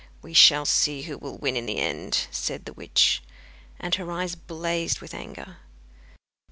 'We shall see who will win in the end,' said the witch, and her eyes blazed with anger.